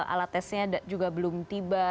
alat tesnya juga belum tiba